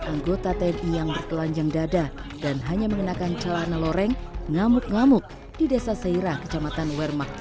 anggota tni itu juga sempat mengajak berduel seorang pemuda lain yang mencoba melerai